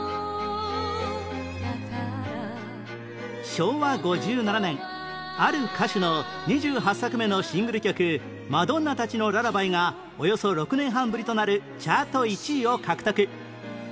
昭和５７年ある歌手の２８作目のシングル曲『聖母たちのララバイ』がおよそ６年半ぶりとなるチャート１位を獲得